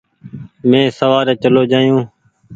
مينٚ سوآري چلو جآيو